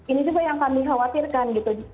ini juga yang kami khawatirkan gitu